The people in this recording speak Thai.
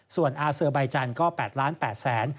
ส่วนอาเซอร์ใบจันทร์ก็๘ล้าน๘แสน